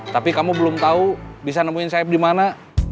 tapi kamu belum tahu bisa nemuin sayap di mana